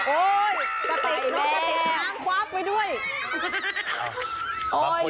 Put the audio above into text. กระติกเนอะกระติกน้ำขว้าไปด้วย